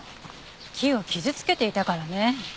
木を傷つけていたからね。